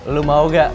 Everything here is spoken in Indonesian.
lo mau gak